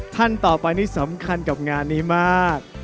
ท่านต่อไปนี่สำคัญกับงานนี้มาก